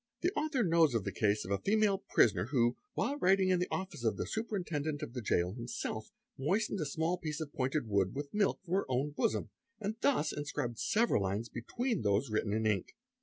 The author knows of the case of a female prisoner oy ho, while writing in the office of the Superintendent of the Jail himself, 'moistened a small piece of pointed wood with milk from her own bosom, _ and thus inscribed several lines between those written in ink.